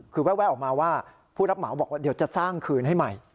คือแวะออกมาว่าผู้รับเหมาบอกว่าเดี๋ยวจะสร้างคืนให้ใหม่